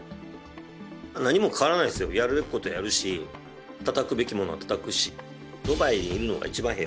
何も変わらないですよ、やるべきことはやるし、たたくべきものはたたくし。